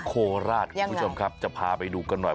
โคราชคุณผู้ชมครับจะพาไปดูกันหน่อย